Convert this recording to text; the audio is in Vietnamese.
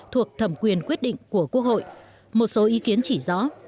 thuộc thẩm quyền quyết định của quốc hội một số ý kiến chỉ rõ